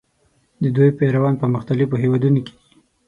د دوی پیروان په مختلفو هېوادونو کې دي.